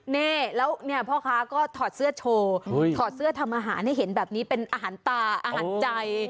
นี่แล้วเนี่ยพ่อค้าก็ถอดเสื้อโชว์ถอดเสื้อทำอาหารให้เห็นแบบนี้เป็นอาหารตาอาหารใจ